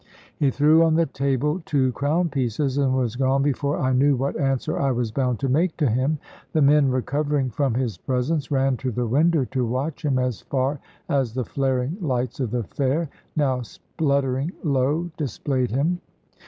He threw on the table two crown pieces, and was gone before I knew what answer I was bound to make to him. The men, recovering from his presence, ran to the window to watch him as far as the flaring lights of the fair, now spluttering low, displayed him.